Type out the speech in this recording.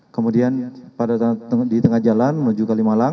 kemudian di tengah jalan menuju kalimalang